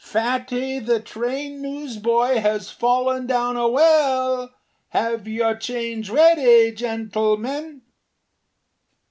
Fatty, the train newsboy, has fallen down a well! Have your change ready, gentlemen!